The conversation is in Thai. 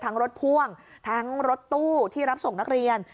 รถพ่วงทั้งรถตู้ที่รับส่งนักเรียน